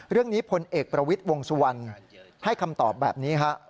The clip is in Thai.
เรื่องนี้ผลเอกประวิทย์วงสุวรรณให้คำตอบแบบนี้ครับ